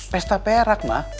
pesta perak ma